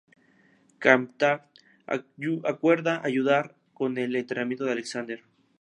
K’Mtar acuerda ayudar con el entrenamiento de Alexander.